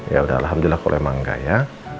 yaudah alhamdulillah kalau emang enggak ya